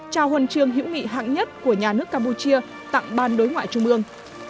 trao huân chương hữu nghị hạng nhất của nhà nước campuchia tặng ban đối ngoại trung ương